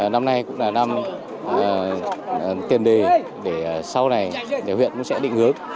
năm nay cũng là năm tiền đề để sau này nhà huyện cũng sẽ định ước